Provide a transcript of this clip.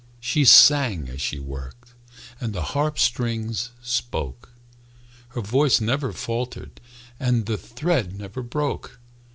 She sang as she worked, And the harp strings spoke; Her voice never faltered, And the thread never broke.